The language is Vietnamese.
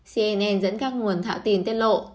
cnn dẫn các nguồn thạo tin tiết lộ